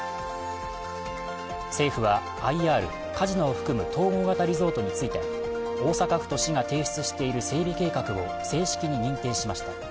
政府はＩＲ、カジノを含む統合型リゾートについて大阪府と市が提出している整備計画を正式に認定しました。